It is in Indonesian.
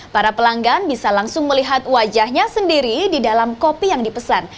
para pelanggan bisa langsung melihat wajahnya sendiri di dalam kopi yang dipesan